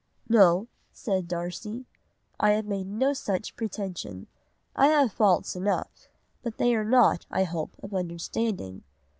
"'No,' said Darcy, 'I have made no such pretension. I have faults enough, but they are not, I hope, of understanding.